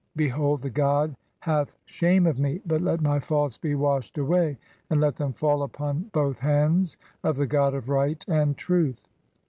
Behold, the god "hath shame of me, but let my faults be washed away and let "them fall (3) upon both hands of the god of Right and Truth.